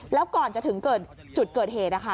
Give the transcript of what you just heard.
แล้วก่อนจะถึงจุดเกิดเหตุ